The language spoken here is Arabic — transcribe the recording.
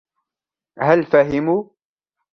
هل فهموا ؟